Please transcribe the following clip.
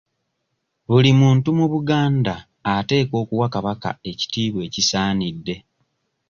Buli muntu mu Buganda ateekwa okuwa kabaka ekitiibwa ekisaanidde.